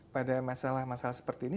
pada masalah masalah seperti ini